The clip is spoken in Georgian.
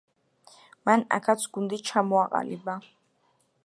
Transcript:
მან აქაც გუნდი ჩამოაყალიბა.